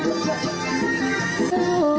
กลับมาเท่าไหร่